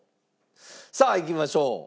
さあいきましょう。